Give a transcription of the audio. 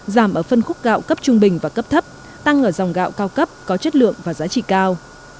giảm ở phân khúc gạo cấp trung bình và cấp thấp tăng ở dòng gạo cao cấp có chất lượng và giá trị cao